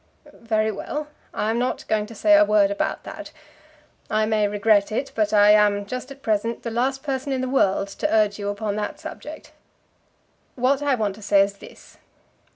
"Very well. I am not going to say a word about that. I may regret it, but I am, just at present, the last person in the world to urge you upon that subject. What I want to say is this.